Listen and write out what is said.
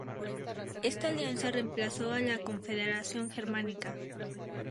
Esta alianza reemplazó a la Confederación Germánica.